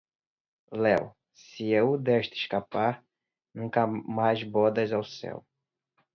léu, Se eu desta escapar, Nunca mais bodas ao céu...”